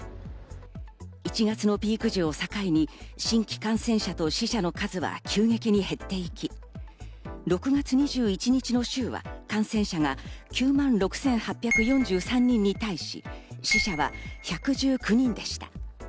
１月のピーク時を境に新規感染者と死者の数は急激に減っていき、６月２１日の週は感染者が９万６８４３人に対し、死者は１１９人でした。